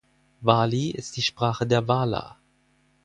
Wali ist die Sprache der Wala.